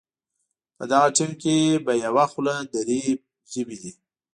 په دغه ټیم کې په یوه خوله درې ژبې دي.